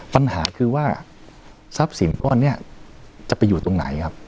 ปัญหาคือว่าทรัพย์สินก้อนนี้จะไปอยู่ตรงไหนครับ